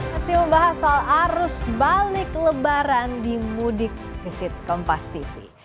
masih membahas soal arus balik lebaran di mudik ke sitkom pastiti